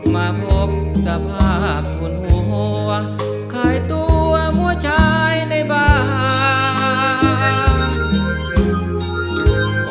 มาพบสภาพหุ่นหัวคลายตัวมัวชายในบ้าน